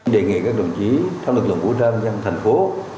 đề nghị các đồng chí trong lực lượng vũ trang thành phố